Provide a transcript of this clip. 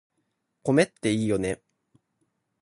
米っていいよね